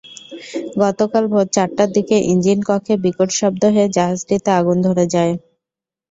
গতকাল ভোর চারটার দিকে ইঞ্জিনকক্ষে বিকট শব্দ হয়ে জাহাজটিতে আগুন ধরে যায়।